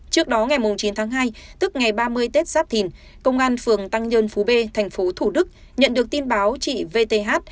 trước đó ngày chín tháng hai tức ngày ba mươi tết giáp thìn công an phường tăng nhơn phú b tp thủ đức nhận được tin báo chị vth